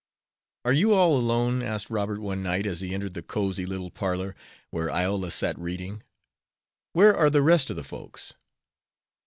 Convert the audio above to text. "Are you all alone," asked Robert, one night, as he entered the cosy little parlor where Iola sat reading. "Where are the rest of the folks?"